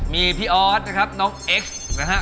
มีพี่ออสนะครับน้องเอ็กซ์นะฮะ